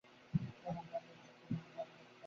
এই ধরুন আমি একটি দেহধারী আত্মা।